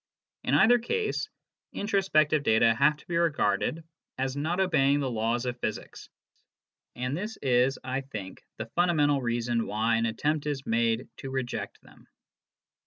In either case, introspective data have to be regarded as not obeying the laws of physics, and this is, I think, the fundamental reason why an attempt is made to reject them.